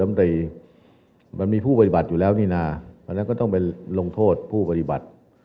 มันมีผู้ปฏิบัติอยู่ละแน่นอนอาจจะต้องไปลงโทษผู้ปฏิบัติ